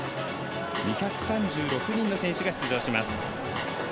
２３６人の選手が出場します。